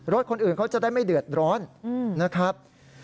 คนอื่นเขาจะได้ไม่เดือดร้อนนะครับ